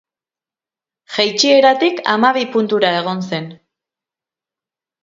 Jeitsieratik hamabi puntura egon zen.